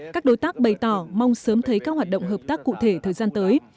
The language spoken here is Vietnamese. các đối tác bày tỏ mong sớm thấy các hoạt động hợp tác cụ thể thời gian tới